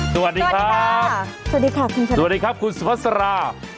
สวัสดีครับสวัสดีครับสวัสดีครับสวัสดีครับสวัสดีครับคุณสุภาษณ์สร้าง